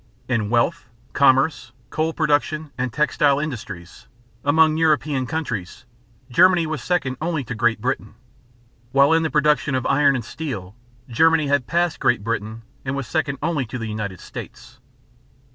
In wealth, commerce, coal production, and textile industries, among European countries, Germany was second only to Great Britain; while in the production of iron and steel Germany had passed Great Britain and was second only to the United States.